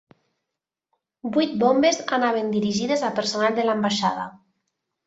Vuit bombes anaven dirigides a personal de l'ambaixada.